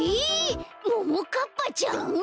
ももかっぱちゃん？